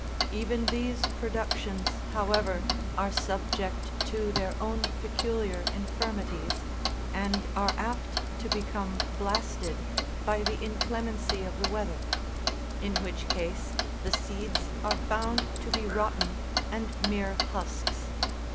Even these productions, however, are subject to their own peculiar infirmities, and are apt to become blasted by the inclemency of the weather ; in which case the seeds are found to be rotten, and mere husks.